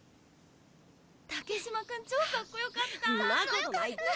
竹島君超かっこよかった。